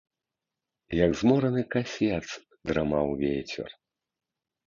Як змораны касец, драмаў вецер.